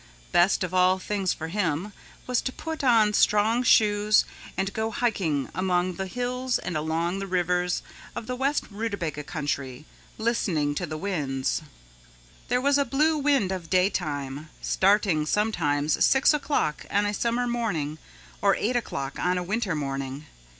Best of all things for him was to put on strong shoes and go hiking among the hills and along the rivers of the west Rootabaga Country, listening to the winds. There was a blue wind of day time, starting sometimes six o'clock on a summer morning or eight o'clock on a winter morning.